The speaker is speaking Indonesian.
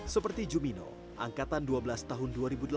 seperti jumino angkatan dua belas tahun dua ribu delapan